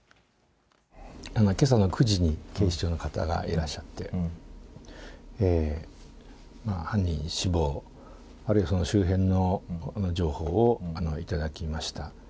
けさの９時に、警視庁の方がいらっしゃって、犯人死亡、あるいはその周辺の情報を頂きました。